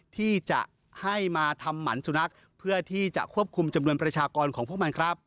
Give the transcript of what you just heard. ที่จะให้มาทำหมันสุนัขเพื่อที่จะควบคุมจำนวนประชากรของพวกมันครับ